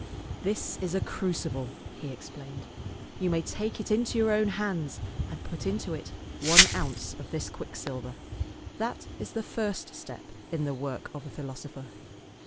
"This is a crucible," he ex plained. " You may take it into your own hands and put into it one ounce of this quicksilver. That is the first step in the work of a philosopher.